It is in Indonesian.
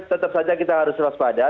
tetap saja kita harus selesai pada